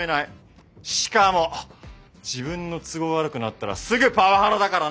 しかも自分の都合が悪くなったらすぐパワハラだからな！